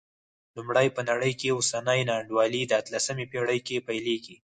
لومړی، په نړۍ کې اوسنۍ نا انډولي د اتلسمې پېړۍ کې پیلېږي.